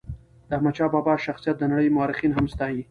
د احمد شاه بابا شخصیت د نړی مورخین هم ستایي.